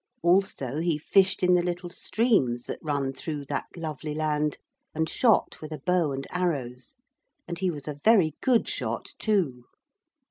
Also he fished in the little streams that run through that lovely land, and shot with a bow and arrows. And he was a very good shot too.